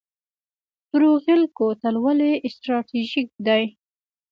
بروغیل کوتل ولې استراتیژیک دی؟